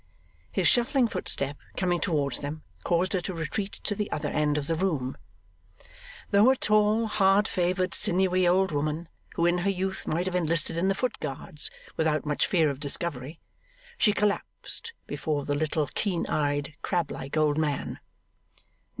His shuffling footstep coming towards them caused her to retreat to the other end of the room. Though a tall, hard favoured, sinewy old woman, who in her youth might have enlisted in the Foot Guards without much fear of discovery, she collapsed before the little keen eyed crab like old man.